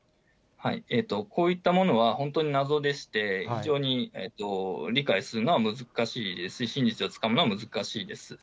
こういったものは本当に謎でして、非常に理解するのは難しいですし、真実をつかむのは難しいです。